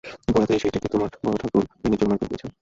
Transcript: গোড়াতেই সেইটেকে তোমার বড়োঠাকুর ভেঙে চুরমার করে দিয়েছেন।